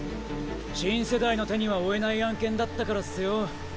新世代の手には負えない案件だったからっすよ。